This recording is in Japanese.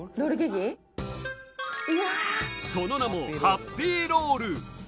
その名もハッピーロール。